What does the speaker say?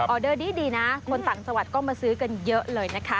เดอร์ดีนะคนต่างจังหวัดก็มาซื้อกันเยอะเลยนะคะ